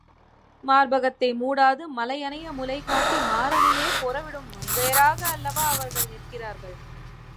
மார்பகத்தை மூடாது, மலையனைய முலை காட்டி மாரனையே பொர விடும் மங்கையராக அல்லவா அவர்கள் நிற்கிறார்கள்?